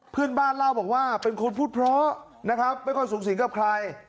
เพื่อนบ้านเล่าบอกว่าเป็นคนพูดเพราะนะครับไม่ค่อยสูงสิงกับใคร